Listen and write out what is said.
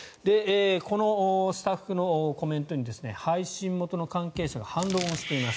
このスタッフのコメントに配信元の関係者が反論をしています。